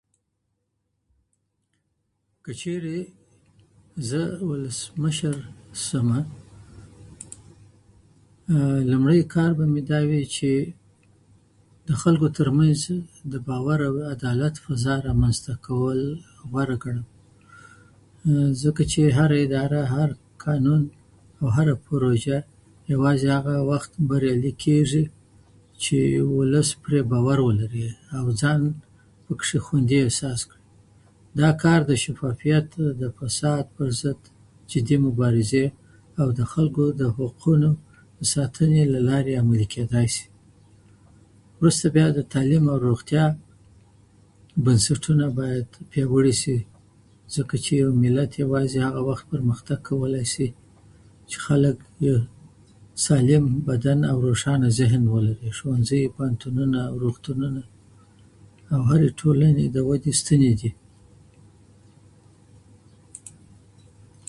که چیرې زه ولسمشر شمه، نو لومړی کار به مې دا وي چې د خلکو ترمنځ د باور او عدالت فضا رامنځته کړم، ځکه چې هره اداره، هر قانون او هره پروژه یوازې هغه وخت بریالۍ کېژي چې ولس پرې باور ولري او ځان پکې خوندي احساس کړي. دا کار د شفافیت، د فساد پر ضد جدي مبارزې او د خلکو د حقونو د ساتنې له لارې امکان لري. وروسته بیا د تعلیم او روغتیا بنسټونه باید پیاوړي سي، ځکه چې ملت یوازې هغه وخت پرمختګ کولای سي چې خلک یې سالم بدن او روشانه ذهن ولري. شوونځي، پوهنتونونه او روغتونونه د هرې ټولنې د ودې ستنې دي.